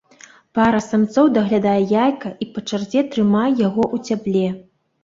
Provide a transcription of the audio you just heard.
Пара самцоў даглядае яйка і па чарзе трымае яго ў цяпле.